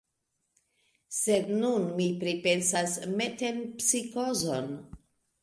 Sed nun mi pripensas metempsikozon.